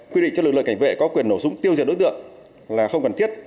quy định cho lực lượng cảnh vệ có quyền nổ súng tiêu diệt đối tượng là không cần thiết